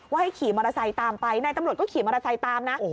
ให้ขี่มอเตอร์ไซค์ตามไปนายตำรวจก็ขี่มอเตอร์ไซค์ตามนะ